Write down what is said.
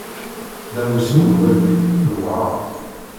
Ddaɛwessu n lwaldin tewɛeṛ.